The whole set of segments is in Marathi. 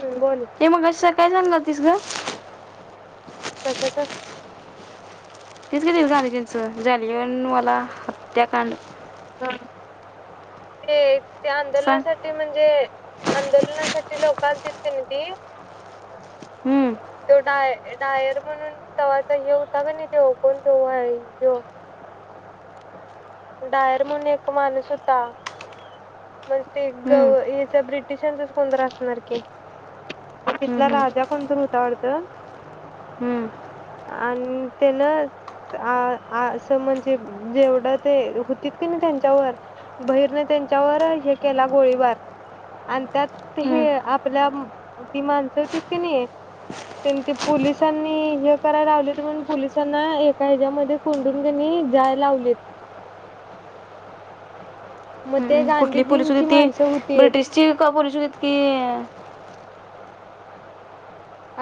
हम्म बोल [unintelligible] हे मग अ काय सांगल दिसलं कशाच? तेच ग ते झालाय त्याचं जलवेन वाला हात्याकांड ते त्या सांग आंदोलनासाठी म्हणजे आंदोलनासाठी लोक आलतीत कणी ती हम्म तो डाय डायर म्हणून तवा्हाचा हे होता कोण तो नाही व्हय कोण व्हय ह्यो डायर म्हणून एक माणूस होता म्हणजे ते ग हम्म याच ब्रिटिशांचच कोणत असणार की तिथला हम्म राजा कोण तर होता वाटतं हम्म हम्म आणि तेन असं म्हणजे जेवढं ते होतीत कणी त्यांच्यावर बहिरन त्यांच्यावर हे केला गोळीबार आणि त्यात हम्म हे आपल्या ती माणसं होतीत कणी तेनी पोलिसांनी हे करायला लावलित म्हणून पोलिसांना एका हेच्यामध्ये कोंडून त्यांनी जाळ लावलीत मग ते कुठली पोलिस होती गांधीजींची ती माणसं होतीत ब्रिटिशची का पोलीस होती की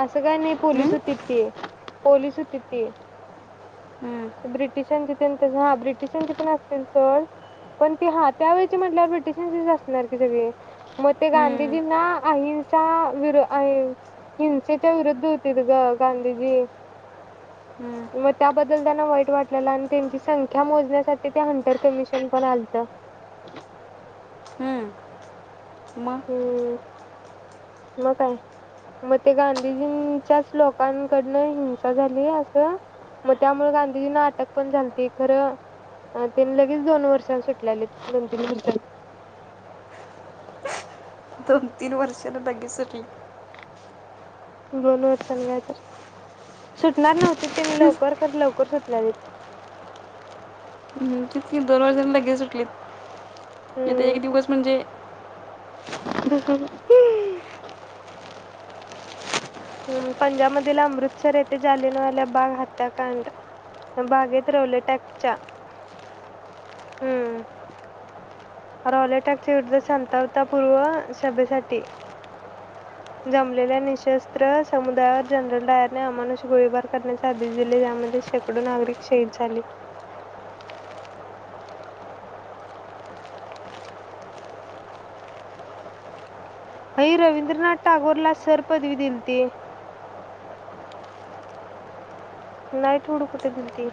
असं काय नाही पोलीस हम्म होती ती पोलीस होती ती हम्म ब्रिटिशांची हा ब्रिटिशांचे पण असतील सोड पण ते हा त्यावेळचे म्हटल्यावर ब्रिटिशांचीच असणार की सगळे मग ते हम्म गांधीजींना अहिंसा विरोध हिंसेच्या विरुद्ध होते त ग गांधीजी हम्म मग त्याबद्दल त्यांना वाईट वाटलेलं आणि त्यांची संख्या मोजण्यासाठी ते हंटर कमिशन पण आलत म हम्म मग काय मग ते गांधीजींच्याच लोकांकडनं हिंसा झाली असं मग त्यामुळे गांधीजींना अटक पण झालती खरं तिने लगेच दोन वर्षां सुटलेले दोन तीन वर्षांनी दोन तीन वर्षांन लगेच सुटली दोन वर्षांन काय तर सुटणार नव्हत तिने लवकर खर लवकर सुटल्यालित हम्म, दोन वर्षां लगेच सुटलीत इथ हम्म एक दिवस म्हणजे [unintelligible] हम् पंजाबमधील अमृतसर येथे जलियानवाला बाग हत्याकांड बागेत रवले टॅकच्या हम्म रॉले टॅक विरुद्ध संतावता पूर्व सभेसाठी जमलेल्या निशस्त्र समुद्रावर जनरल डायरने अमानुष गोळीबार करण्याचे आदेश दिले त्यामध्ये शेकडो नागरिक शहीद झाले. आई रवींद्रनाथ टागोरला सर पदवी दिलती नाही थोडू कुठे गिलती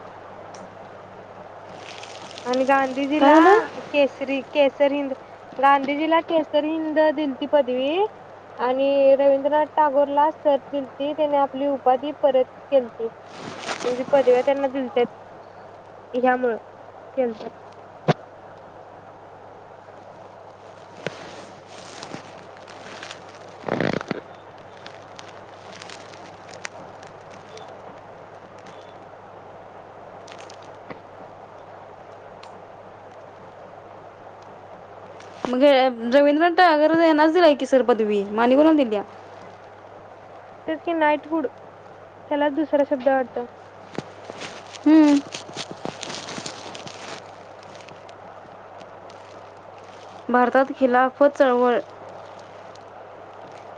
आणि गांधीजी काय ला झालं केसरी केसर हिंद गांधीजीला केसर हिंद दिलती पदवी आणि रवींद्रनाथ टागोरला सर दिलती त्याने आपली उपाधी परत केलती म्हणजे पदव्या त्यांना दिलत्या ह्यामुळं केलत मगे रवींद्रनाथ टागोर यानाच दिलाय कि सर पदवी मग आणि कुणाला दिलीया तेच की नाईटहूड त्याला दुसरा शब्द वाटत हम्म भारतात हीलाफत चळवळ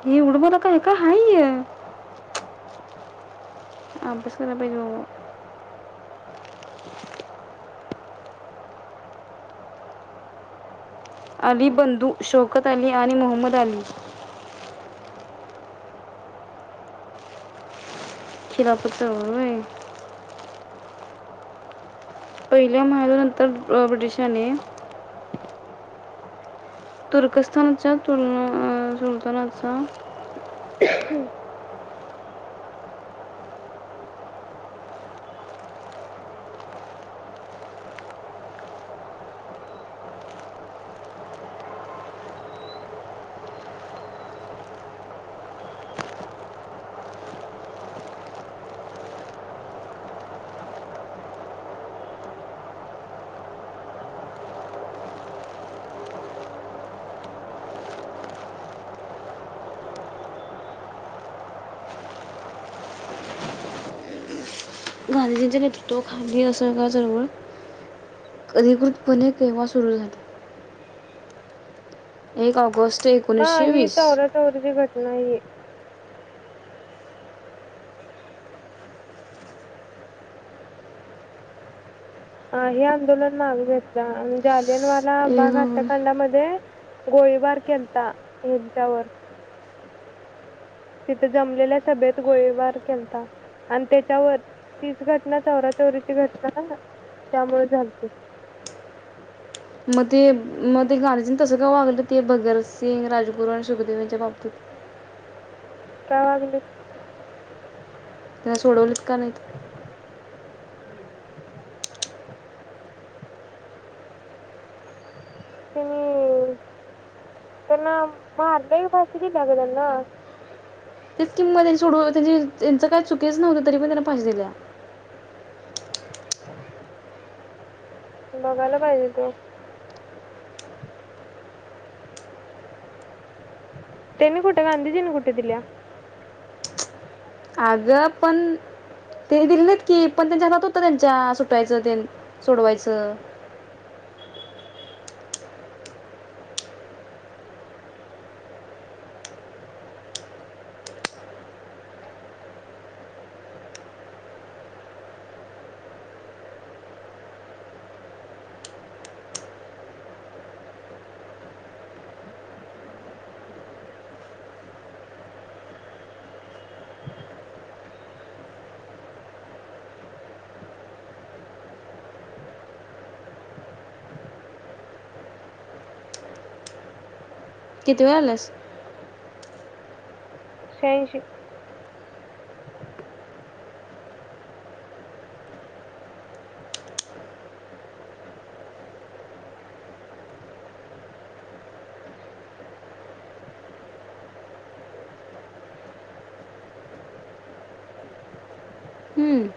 येवढं बला काय काय हाय हे अभ्यास कराय पाहिजे बाबा अली बंधू शौकत अली आणि मोहम्मद अली खिरापत्र चळवळ होय पहिल्या महायुद्धानंतर ब्रिटिशांने तुर्कस्तानच्या तुलना सुलतानाचा हम् गांधीजींच्या नेतृत्वाखाली असर्गजवळ अधिकृतपणे केव्हा सुरू झाली एक ऑगस्ट हा एकोणीसशे ही वीस तवरा तावरीची घ नाहीये. हा हे आंदोलन माग घेतला आणि जालियनवाला एक बाग ऑगस्ट हत्याकांडामध्ये गोळीबार केलता यांच्यावर. तिथे जमलेल्या सभेत गोळीबार केलता आणि त्याच्यावर तीच घटना चौरा चौरीची घटना त्यामुळे झालती. मग ते मग ते गा [unintelligible] तस वागलं ते भगतसिंग, राजगुरू आणि सुखदेव यांच्या बाबतीत का वागलेत? तेला सोडवलीत का नाहीत? त्यांनी त्यांना मारलंय फाशी दिल्या ग त्यांना. तेच किंमत त्यां सोड त्यांची त्यांचं काय चुकीच नव्हतं तरी पण त्यांना फाशी दिल्या. बघायला पाहिजेत ओ. त्यांनी कुठे गांधीजींनी कुठ दिल्या. अगं पण ते दिले नाहीत की, पण त्यांच्या हातात होत त्यांच्या सुटायचं तेन सोडवायचं. [inaudible] [inaudible] [inaudible] हो. किती वेळ आल्यास? श्याऐंशी [inaudible] हम्म.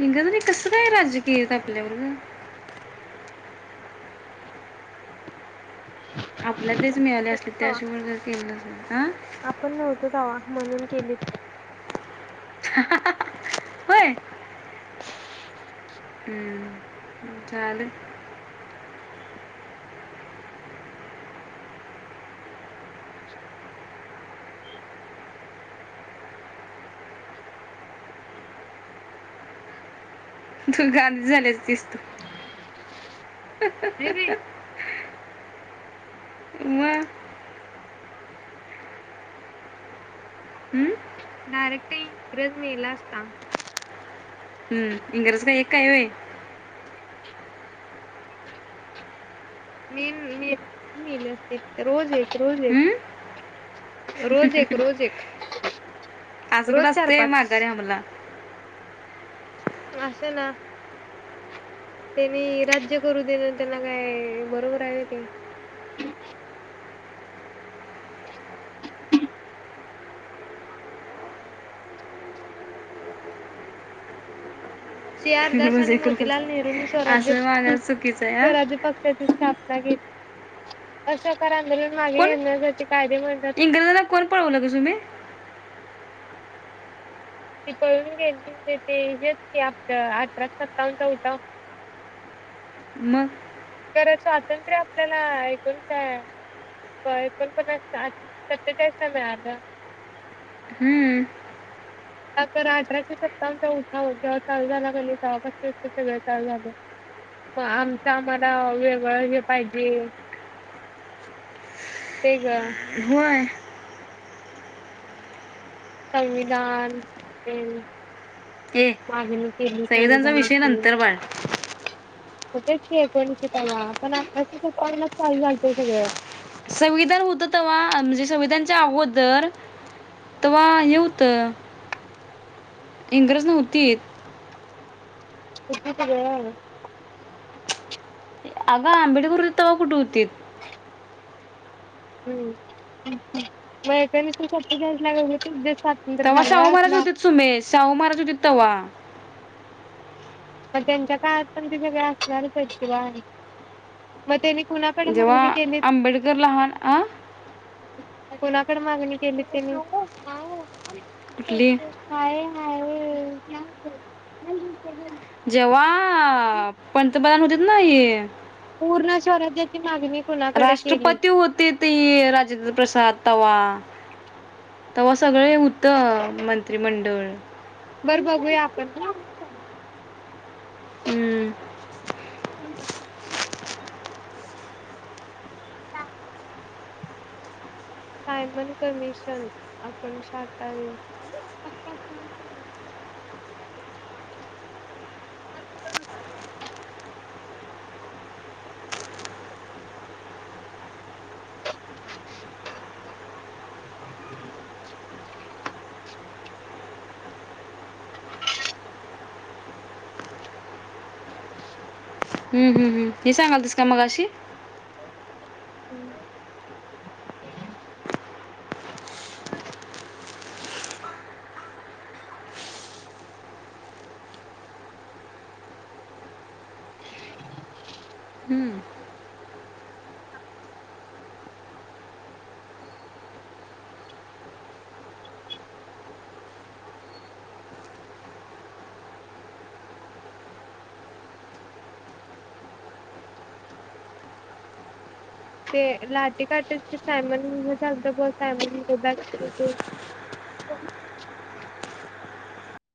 इंग्रजांनी नाही कसं काय राज्य केल्यात आपल्यावर ओ? [inaudible] आपल्या दे मिळाले अस त्याशिवाय तर केलं नसणार. आपण नव्हतो तवा म्हणून केलीत. होय हम्म. [unintelligible] तु गांधीजी झाली असतीस तू. नाही बाई [inaudible] मग? हम्म? डायरेक्ट इंग्रज मेला असता. हम्म इंग्रज का एक हाय होय? मीन म मेली असते रोज एक रोज एक. हम्म? [inaudible] रोज एक, रोज एक. आसं रोज कुठं चार असतेय पाच माघा रे आमला- असे ना- त्यांनी राज्य करू देणं त्यांना काय बरोबर आहे ते- सी आर दास आणि म्हणजे करून मोतीलाल नेहरूंनी स्वराज्य असं मागा चुकीचं आहे हा स्वराज्य पक्षाची स्थापना केली. असहकार आंदोलन मागे कोण घेण्या- इंग्रजांना कोण पळवलं ग सुमे? ती पळून गेली. ते हेच की आपलं अठरा सत्तावन् चा उठाव. म. खर स्वातंत्र्य आपल्याला एकोण काय एकोण पन्नास सत्तेचाळीस ला मिळालं. हम्म आ तर अठराशे सत्तावनचा उठाव जेव्हा चालू झाला तेव्हापासन सगळं चालू झालं म आमचं आम्हाला वेगळं हे पाहिजे. होय. संविधान एन ये, संविधानचा विषय नंतर बाळ. म तेच की एककोनिशे पन्नास पण आत्ताच [unintelligible] संविधान होत तव्हा, म्हणजे संविधान- च्या अगोदर. तेव्हा हे होतं इंग्रज नव्हतीत. [unintelligible] आगं आंबेडकर होतीत तव्हा कुठ होती? [unintelligible] [unintelligible] तव्हा झालाय शाहू महाराज आपला होतीत सुमेश. शाहू महाराज होतीत तव्हा. मग त्यांच्या काळात पण ते सगळे असणारच आहेत की बाळ. कुणाकडे जेव्हा मागणी केली आंबेडकर लहान‌ आ कुणाकडं मागणी केलीत त्यांनी? कुठली [unintelligible] [unintelligible] जेव्हा पंतप्रधान होतेत ना ये पूर्ण स्वराज्याची मागणी कुणाकडे केली? राष्ट्रपती होते ते राजेंद्र प्रसाद तव्हा. तव्हा सगळें होतं मंत्रिमंडळ. बरं बघूया आपण हा. [inaudible] हम्म. थांब-थांब. सांग. सायमन कमिशन आपणं [unintelligible] [inaudible] हम्म हम्मम्. हे सांगलतीस काय मगाशी? हम. [inaudible] हम्म. ते लाटी काटीची सायमन हे झालत बग सायमन [unintelligible] ते [unintelligible]